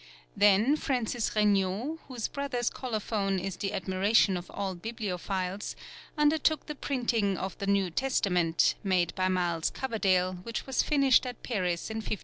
Then Francis Regnault, whose brother's colophon is the admiration of all bibliophiles, undertook the printing of the New Testament, made by Miles Coverdale, which was finished at Paris in 1538.